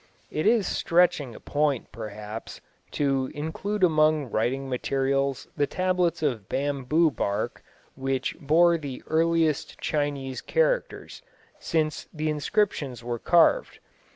It is stretching a point, perhaps, to include among writing materials the tablets of bamboo bark which bore the earliest Chinese characters, since the inscriptions were carved.